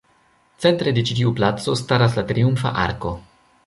Centre de ĉi tiu placo, staras la Triumfa Arko.